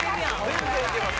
全然いけます